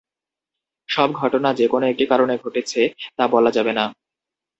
সব ঘটনা যে কোনো একটি কারণে ঘটেছে, তা বলা যাবে না।